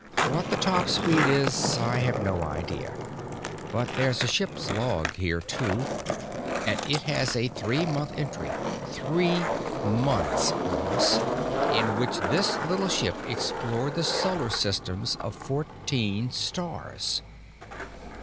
What the top speed is I have no idea; but there is a ship's log here, too. And it has a three month entry—three months, Ross!—in which this little ship explored the solar systems of fourteen stars."